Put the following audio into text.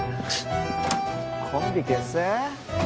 コンビ結成？